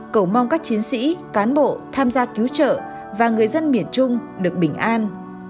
cầu mong các chiến sĩ cán bộ tham gia cứu trợ và người dân miền trung được bình an